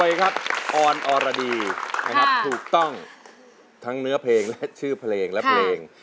อเจมส์อรรดีถูกต้องทั้งเนื้อเพลงและชื่อเพลงและเพลง